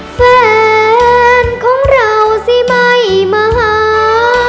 แฟนของเราสิไม่มาหา